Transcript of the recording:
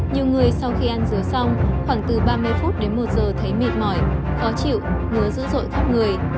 nhiều người sau khi ăn dứa xong khoảng từ ba mươi phút đến một giờ thấy mệt mỏi khó chịu mưa dữ dội khắp người